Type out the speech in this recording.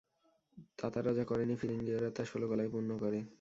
তাতাররা যা করেনি ফিরিঙ্গীরা তা ষোলকলায় পূর্ণ করে।